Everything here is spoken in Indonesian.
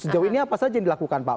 sejauh ini apa saja yang dilakukan pak